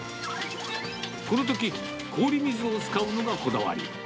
このとき、氷水を使うのがこだわり。